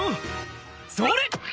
「それ！」